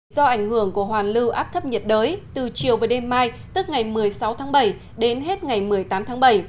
do ảnh hưởng của hoàn lưu áp thấp nhiệt đới từ chiều và đêm mai tức ngày một mươi sáu tháng bảy đến hết ngày một mươi tám tháng bảy